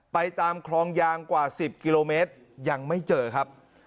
ตามคลองยางกว่า๑๐กิโลเมตรยังไม่เจอครับ